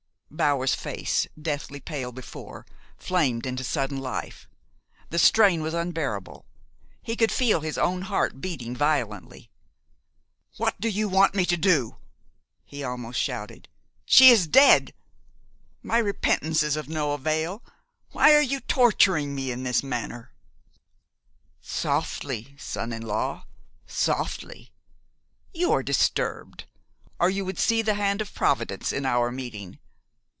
Bower's face, deathly pale before, flamed into sudden life. The strain was unbearable. He could feel his own heart beating violently. "What do you want me to do?" he almost shouted. "She is dead! My repentance is of no avail! Why are you torturing me in this manner?" "Softly, son in law, softly! You are disturbed, or you would see the hand of Providence in our meeting.